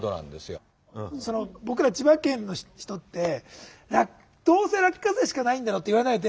その僕ら千葉県の人ってどうせ落花生しかないんだろうって言わないで。